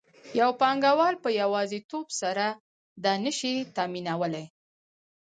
یو پانګوال په یوازیتوب سره دا نشي تامینولی